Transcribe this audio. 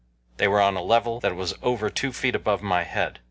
They were on a level that was over two feet above my head.